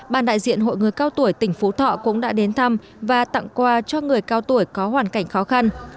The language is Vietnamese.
ban đại diện hội người cao tuổi tỉnh phú thọ cũng đã đến thăm và tặng quà cho người cao tuổi có hoàn cảnh khó khăn